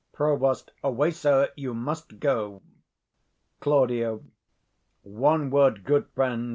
Prov. Away, sir! you must go. Claud. One word, good friend.